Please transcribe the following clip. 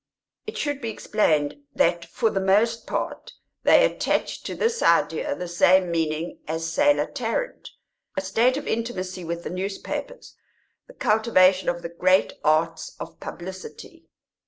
It should be explained that for the most part they attached to this idea the same meaning as Selah Tarrant a state of intimacy with the newspapers, the cultivation of the great arts of publicity.